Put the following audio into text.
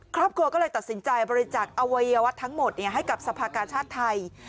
ครอบครัวก็เลยตัดสินใจบริจักษ์อวัยวะทั้งหมดให้กับสภากาชาติไทย